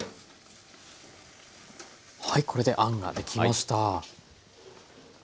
これであんができました。